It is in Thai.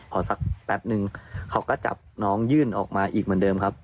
พอสักแป๊บนึงเขาก็จับน้องยื่นออกมาอีกเหมือนเดิมครับ